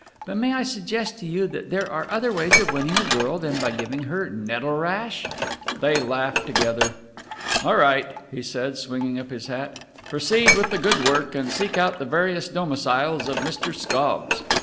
But may I suggest to you that there are other ways of winning a girl than by giving her nettle rash!" They laughed together. "All right," he said, swinging up his hat, "proceed with the good work and seek out the various domiciles of Mr. Scobbs."